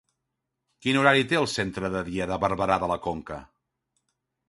Quin horari té el centre de dia de Barberà de la Conca?